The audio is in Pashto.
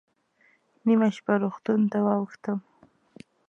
نیمه شپه روغتون ته واوښتم.